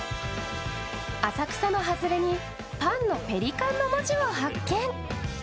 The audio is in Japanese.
浅草の外れに「パンのペリカン」の文字を発見。